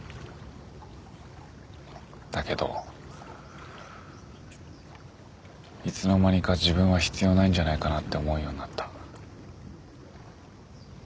だけどいつの間にか自分は必要ないんじゃないかなって思うようになった。